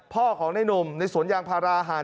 พ่อของในหนุ่มในสวนยางพาราห่าง